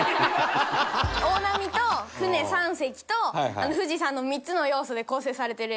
大波と船３隻と富士山の３つの要素で構成されてる絵です。